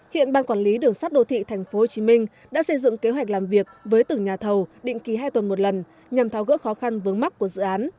hiện ban quản lý đường sắt đô thị tp hcm đã xây dựng kế hoạch làm việc với từng nhà thầu định kỳ hai tuần một lần nhằm tháo gỡ khó khăn vướng mắt của dự án